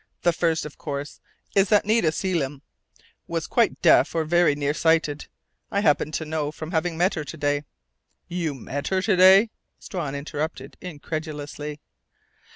The first, of course, is that Nita Selim was quite deaf or very nearsighted. I happen to know from having met her today " "You met her today?" Strawn interrupted incredulously.